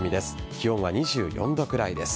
気温は２４度くらいです。